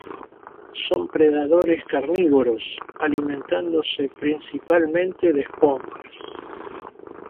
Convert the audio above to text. Son predadores carnívoros, alimentándose principalmente de esponjas.